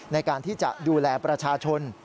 ในการที่จะดูแลประชาชน